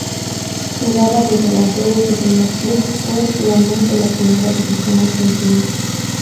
Jugaba de delantero y su primer club fue Lanús de la Primera División Argentina.